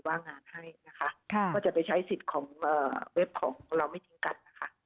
ว่างงานให้นะคะก็จะไปใช้สิทธิ์ของเว็บของเราไม่ทิ้งกันนะคะ